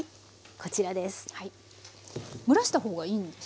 こちらです。